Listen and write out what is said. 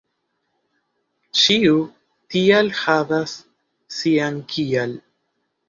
Ĉiu "tial" havas sian "kial."